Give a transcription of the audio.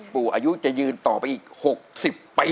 อายุจะยืนต่อไปอีก๖๐ปี